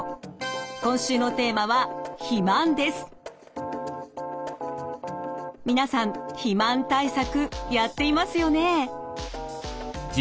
今週のテーマは皆さん肥満対策やっていますよね？